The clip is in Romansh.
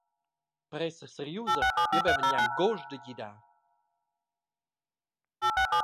Per esser seriusa, jeu vevel gnanc gust da gidar!